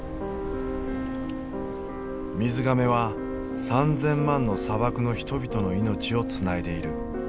水がめは３，０００万の砂漠の人々の命をつないでいる。